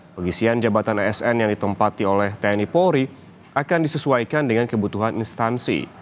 pengisian jabatan asn yang ditempati oleh tni polri akan disesuaikan dengan kebutuhan instansi